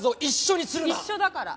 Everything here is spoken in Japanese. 一緒だから。